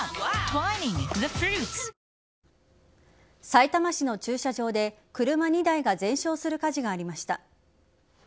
さいたま市の駐車場で車２台が全焼する火事がありました。